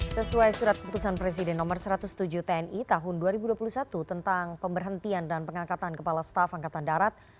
sesuai surat keputusan presiden nomor satu ratus tujuh tni tahun dua ribu dua puluh satu tentang pemberhentian dan pengangkatan kepala staf angkatan darat